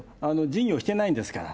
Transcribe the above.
事業してないんですから。